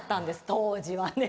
当時はね